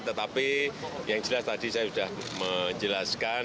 tetapi yang jelas tadi saya sudah menjelaskan